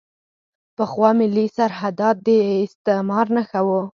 پخوا ملي سرحدات د استعمار نښه وو.